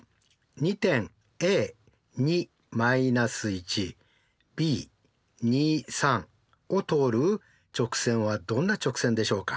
２点ＡＢを通る直線はどんな直線でしょうか？